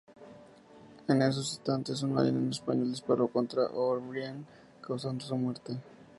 En esos instantes, un marinero español disparó contra O'Brien, causando su muerte.